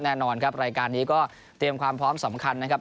แน่นอนครับรายการนี้ก็เตรียมความพร้อมสำคัญนะครับ